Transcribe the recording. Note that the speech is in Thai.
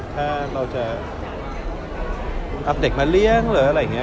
ถ้าเราจะเอาเด็กมาเลี้ยง